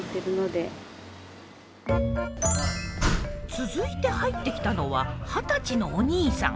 続いて入ってきたのは二十歳のおにいさん。